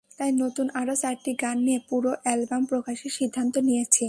তাই নতুন আরও চারটি গান নিয়ে পুরো অ্যালবাম প্রকাশের সিদ্ধান্ত নিয়েছি।